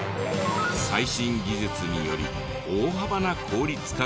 最新技術により大幅な効率化ができ。